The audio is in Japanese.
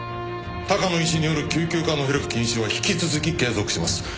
他科の医師による救急科のヘルプ禁止は引き続き継続します。